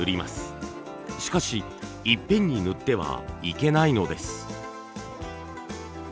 しかしいっぺんに塗ってはいけないのです。